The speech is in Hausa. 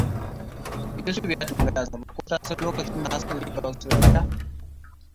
Yusuf ya tambayi Asabe ko ta san lokacin da Hassan yake Austaralia.